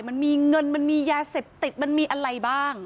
มันมีเงินมันมียาเสพติดมันมีอะไรบ้าง